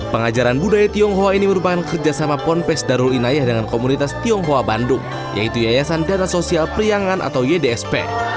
pengajaran budaya tionghoa ini merupakan kerjasama ponpes darul inayah dengan komunitas tionghoa bandung yaitu yayasan dana sosial priangan atau ydsp